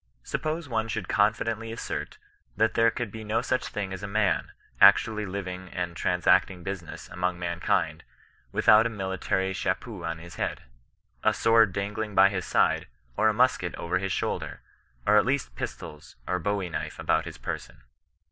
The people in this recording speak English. Suppose one should confidently assert that there could be no such thing as a man, actually living and transact ing business among mankind, without a military cha peau on his head, a sword dangling by his side, or a musket over his shoulder, or at least pistols or bowie knife about his person.